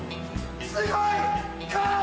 すごい！